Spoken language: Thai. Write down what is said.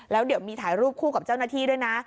แล้วเดี๋ยวมีถ่ายรูปคู่กับเจ้าหน้าที่ด้วยนะ